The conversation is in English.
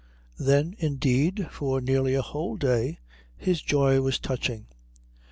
Then, indeed, for nearly a whole day his joy was touching.